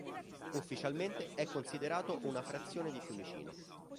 Ufficialmente è considerato una frazione di Fiumicino.